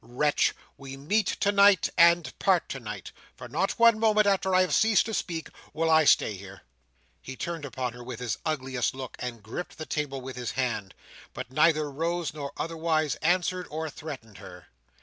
Wretch! We meet tonight, and part tonight. For not one moment after I have ceased to speak, will I stay here!" He turned upon her with his ugliest look, and gripped the table with his hand; but neither rose, nor otherwise answered or threatened her.